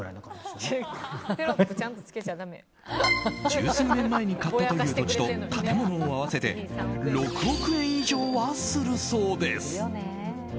十数年前に買ったという土地と建物を合わせて６億円以上はするそうです。